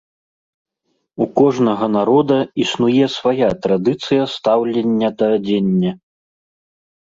У кожнага народа існуе свая традыцыя стаўлення да адзення.